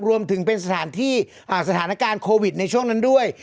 รวมถึงเป็นสถานที่สถานการณ์โควิดในช่วงนั้นด้วย